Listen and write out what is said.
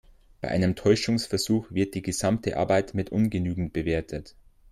Bei einem Täuschungsversuch wird die gesamte Arbeit mit ungenügend bewertet.